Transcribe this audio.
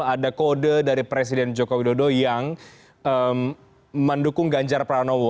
ada kode dari presiden joko widodo yang mendukung ganjar pranowo